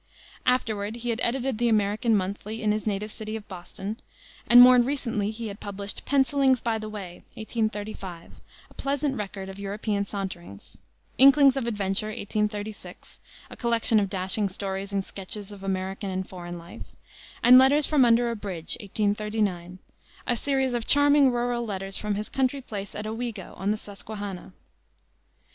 Afterward he had edited the American Monthly in his native city of Boston, and more recently he had published Pencillings by the Way, 1835, a pleasant record of European saunterings; Inklings of Adventure, 1836, a collection of dashing stories and sketches of American and foreign life; and Letters from Under a Bridge, 1839, a series of charming rural letters from his country place at Owego, on the Susquehanna.